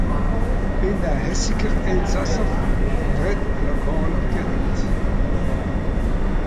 Bén a Häsiger Elssaser, un rèd a lokàla dialekt.